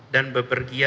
dan bepergian keluar